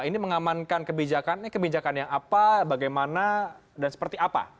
ini mengamankan kebijakan ini kebijakan yang apa bagaimana dan seperti apa